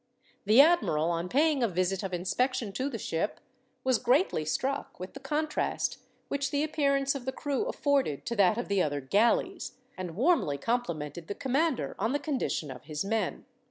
The admiral, on paying a visit of inspection to the ship, was greatly struck with the contrast which the appearance of the crew afforded to that of the other galleys, and warmly complimented the commander on the condition of his men.